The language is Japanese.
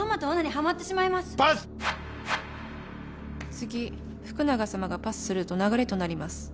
次福永さまがパスすると流れとなります。